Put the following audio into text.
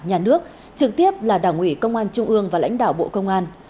nhà nước trực tiếp là đảng ủy công an trung ương và lãnh đạo bộ công an